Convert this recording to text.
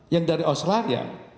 yang dari australia